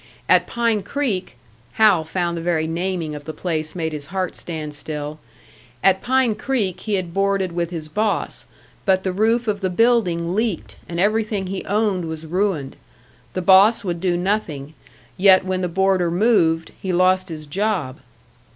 At Pine Creek Hal found the very naming of the place made his heart stand still at Pine Creek he had boarded with his boss, but the roof of the building leaked, and everything he owned was ruined; the boss would do nothing yet when the boarder moved, he lost his job.